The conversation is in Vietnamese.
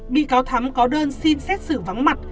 bị cáo thắm có đơn xin xét xử vắng mặt